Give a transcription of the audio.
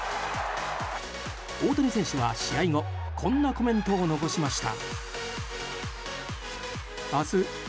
大谷選手は試合後こんなコメントを残しました。